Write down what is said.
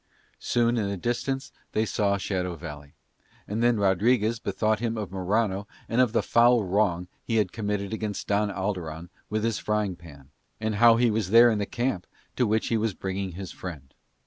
Soon in the distance they saw Shadow Valley. And then Rodriguez bethought him of Morano and of the foul wrong he committed against Don Alderon with his frying pan, and how he was there in the camp to which he was bringing his friend.